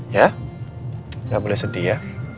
ya tidak boleh sedih ya